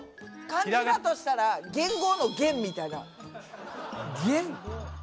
漢字だとしたら元号の「元」みたいな。